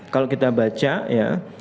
kalau kita baca ya